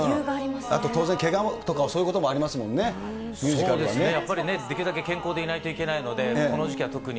当然、けがとかそういうことそうですね、やっぱりできるだけ健康でいないといけないので、この時期は特に。